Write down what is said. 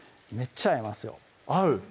めっちゃ合いますよ合う？